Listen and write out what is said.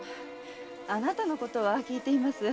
あなたのことは聞いています。